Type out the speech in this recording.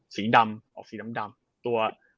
สีดำออกสีดำตัว